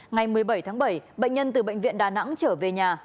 ngày một mươi bảy tháng bảy bệnh nhân từ bệnh viện đà nẵng trở về nhà